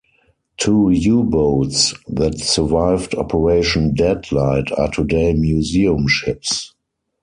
Two U-boats that survived Operation "Deadlight" are today museum ships.